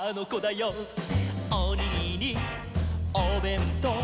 「おにぎりおべんとう」